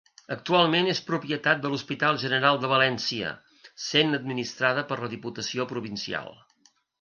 Actualment és propietat de l'Hospital General de València, sent administrada per la Diputació Provincial.